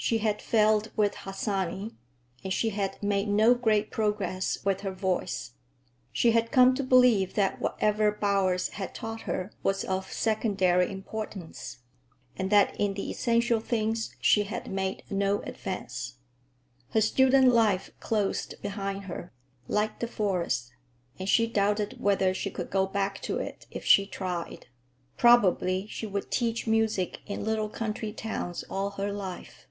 She had failed with Harsanyi, and she had made no great progress with her voice. She had come to believe that whatever Bowers had taught her was of secondary importance, and that in the essential things she had made no advance. Her student life closed behind her, like the forest, and she doubted whether she could go back to it if she tried. Probably she would teach music in little country towns all her life.